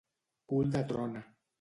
Cul de trona.